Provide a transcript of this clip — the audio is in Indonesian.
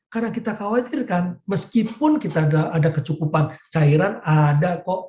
karena kita khawatir kan meskipun kita ada kecukupan cairan ada kok